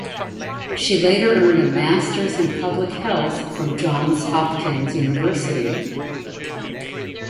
She later earned a Masters in Public Health from Johns Hopkins University.